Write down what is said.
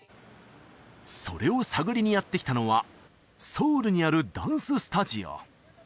それを探りにやって来たのはソウルにあるダンススタジオ